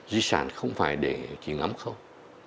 di sản không phải để chỉ ngắm không